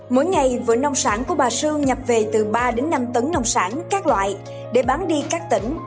mỗi ngày vựa nông sản của bà sương nhập về từ ba đến năm tấn nông sản các loại để bán đi các tỉnh